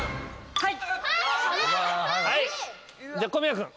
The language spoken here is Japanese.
はい！